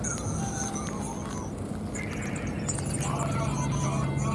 রানুদির বাড়িতে মাঝে মাঝে দুপুরবেলা তাসের আডিডা বাসিত, সে বসিয়া বসিয়া খেলা দেখিত।